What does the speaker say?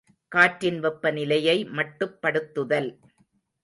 காற்றின் வெப்பநிலையை மட்டுப்படுத்துதல்.